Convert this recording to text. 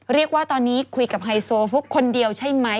เรียกว่าตอนนี้คุยกับไฮโซฟุกคนเดียวใช่ไหม